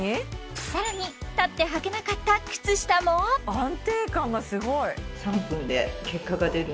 更に立ってはけなかった靴下も安定感がすごい！